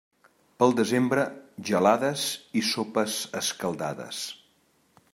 Pel desembre, gelades i sopes escaldades.